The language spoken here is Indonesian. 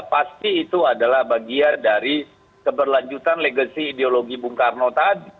pasti itu adalah bagian dari keberlanjutan legasi ideologi bung karno tadi